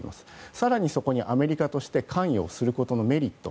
更に、そこにアメリカとして関与をすることのメリット。